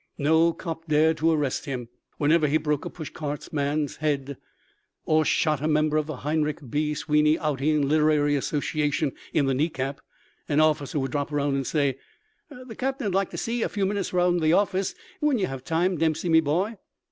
No cop dared to arrest him. Whenever he broke a pushcart man's head or shot a member of the Heinrick B. Sweeney Outing and Literary Association in the kneecap, an officer would drop around and say: "The Cap'n 'd like to see ye a few minutes round to the office whin ye have time, Dempsey, me boy."